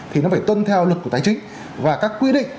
thì nó phải tuân theo luật của tài chính và các quy định